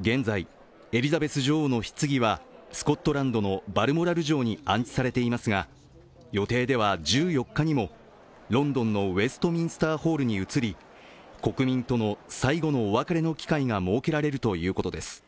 現在、エリザベス女王のひつぎはスコットランドのバルモラル城に安置されていますが、予定では１４日にもロンドンのウェストミンスターホールに移り国民との最後のお別れの機会が設けられるということです。